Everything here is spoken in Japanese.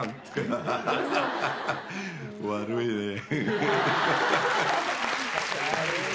悪いねー。